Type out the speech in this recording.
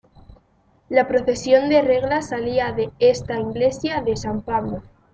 La procesión de regla salía de esta iglesia de San Pablo.